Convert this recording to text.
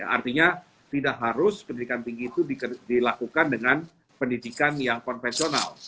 artinya tidak harus pendidikan tinggi itu dilakukan dengan pendidikan yang konvensional